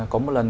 có một lần